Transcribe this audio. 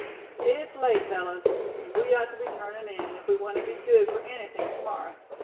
"It's late, fellows, and we ought to be turning in, if we want to be good for anything to morrow.